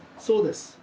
そうです。